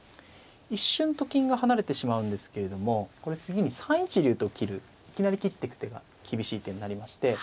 一瞬と金が離れてしまうんですけれどもこれ次に３一竜と切るいきなり切ってく手が厳しい手になりまして。